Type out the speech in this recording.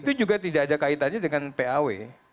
itu juga tidak ada kaitannya dengan paw